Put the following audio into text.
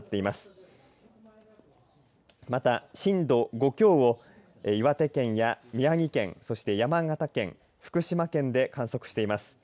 また震度５強を岩手県や宮城県、そして山形県福島県で観測しています。